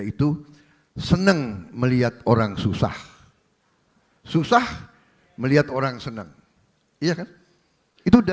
kita jalankan kegiatan kita